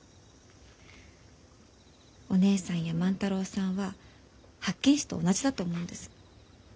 お義姉さんや万太郎さんは八犬士と同じだと思うんです。